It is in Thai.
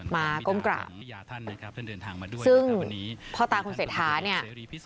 มาก้มกร่าบซึ่งพ่อตาคุณเศรษฐาเนี่ย